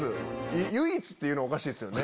「唯一」っておかしいですよね。